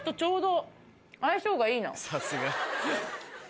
さすが。